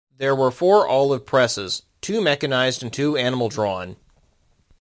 There were four olive presses: two mechanized and two animal-drawn.